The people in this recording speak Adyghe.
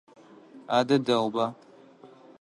Адэ дэгъуба.